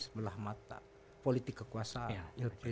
sebelah mata politik kekuasaan